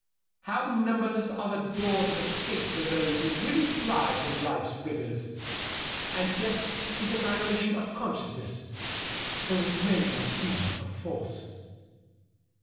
How numberless are the doors of escape for those who would really fly from life's rigors ! And death is annihilation of consciousness, though it may not be of force."